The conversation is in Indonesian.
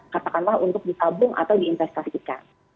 katakanlah untuk ditabung atau diinvestasikan